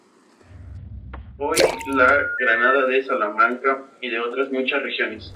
Lo hay de Granada, de Salamanca y de otras muchas regiones.